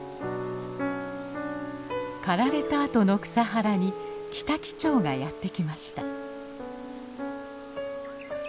刈られたあとの草原にキタキチョウがやって来ました。